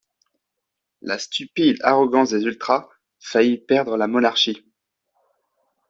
La stupide arrogance des ultras faillit perdre la monarchie!